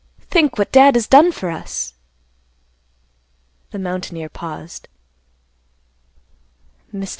Think what Dad has done for us." The mountaineer paused. "Mr.